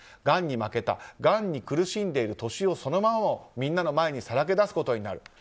がんに負けたがんに苦しんでいる利夫そのままをみんなの前にさらけ出すことになる。